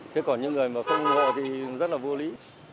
không ủng hộ thì rất là vô lý